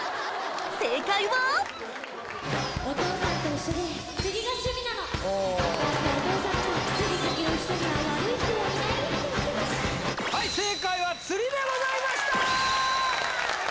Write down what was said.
正解ははい正解はつりでございましたー！